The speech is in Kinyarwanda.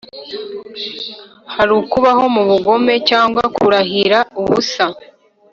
hari ukubaho mu bugome cyangwa kurahira ubusa.